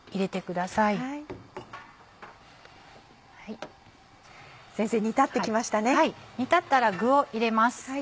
はい煮立ったら具を入れます。